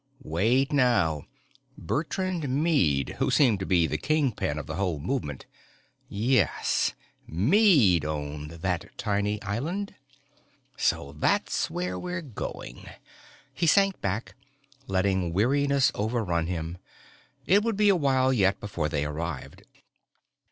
Wait now, Bertrand Meade, who seemed to be the kingpin of the whole movement yes, Meade owned that tiny island. So that's where we're going! He sank back, letting weariness overrun him. It would be awhile yet before they arrived.